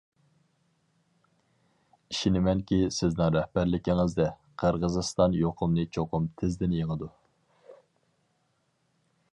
ئىشىنىمەنكى، سىزنىڭ رەھبەرلىكىڭىزدە، قىرغىزىستان يۇقۇمنى چوقۇم تېزدىن يېڭىدۇ.